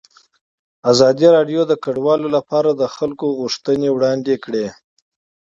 ازادي راډیو د کډوال لپاره د خلکو غوښتنې وړاندې کړي.